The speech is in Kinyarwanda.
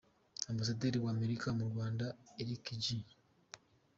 Ambasaderi wa Amerika mu Rwanda Erica J.